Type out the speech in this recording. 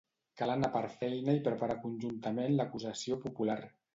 Cal anar per feina i preparar conjuntament l'acusació popular.